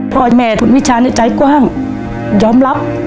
พ่อแม่คุณวิชาในใจกว้างยอมรับ